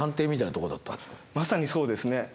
まさにそうですね。